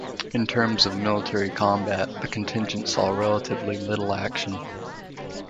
In terms of military combat the contingent saw relatively little action.